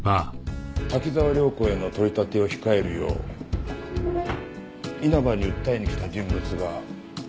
滝沢亮子への取り立てを控えるよう稲葉に訴えに来た人物が他にいなかったか。